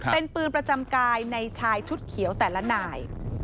เป็นปืนประจำกายในชายชุดเขียวแต่ละนาย